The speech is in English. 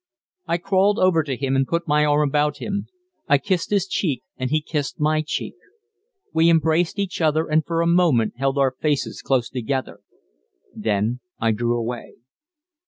I crawled over to him, and put my arm about him. I kissed his cheek, and he kissed my cheek. We embraced each other, and for a moment held our faces close together. Then I drew away.